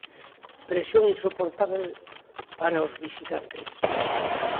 Presión insoportábel para os visitantes.